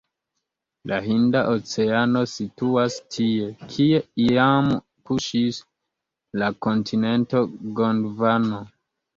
La Hinda Oceano situas tie, kie iam kuŝis la kontinento Gondvano.